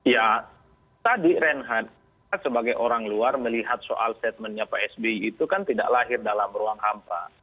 ya tadi renhad sebagai orang luar melihat soal setmennya psbi itu kan tidak lahir dalam ruang hampa